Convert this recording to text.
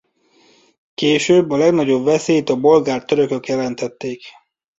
Később a legnagyobb veszélyt a bolgár-törökök jelentették.